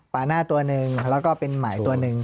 หน้าตัวหนึ่งแล้วก็เป็นหมายตัวหนึ่ง